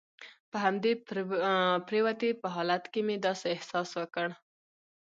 په همدې پروتې په حالت کې مې داسې احساس وکړل.